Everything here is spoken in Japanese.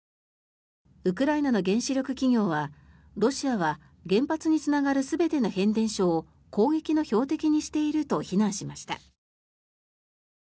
ウクライナの原子力企業はロシアは原発につながる全ての変電所を攻撃の標的にしていると非難しました。